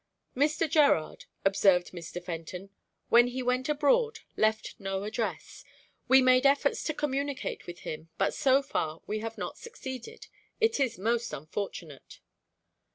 "Mr. Gerard," observed Mr. Fenton, "when he went abroad left no address. We made efforts to communicate with him, but so far, we have not succeeded. It is most unfortunate."